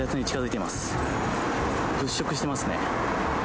物色してますね。